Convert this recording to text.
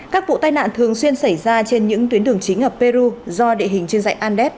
các vụ tai nạn thường xuyên xảy ra trên những tuyến đường chính ở peru do địa hình trên dạng andes